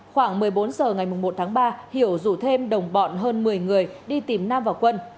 khoảng một mươi bốn h ngày một tháng ba hiểu rủ thêm đồng bọn hơn một mươi người đi tìm nam và quân